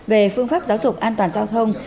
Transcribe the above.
về phương pháp giáo dục an toàn giao thông